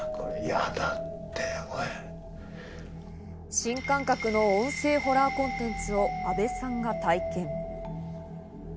新感覚の音声ホラーコンテンツを阿部さんが体験。